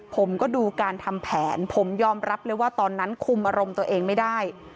ผมก็ดูการทำแผนผมยอมรับเลยว่าตอนนั้นคุมอารมณ์ตัวเองไม่ได้